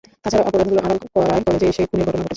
তাছাড়া অপরাধগুলো আড়াল করায় কলেজে এসব খুনের ঘটনা ঘটেছে।